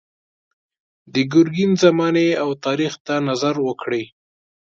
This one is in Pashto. د ګرګین زمانې او تاریخ ته نظر وکړئ.